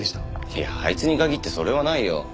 いやあいつに限ってそれはないよ。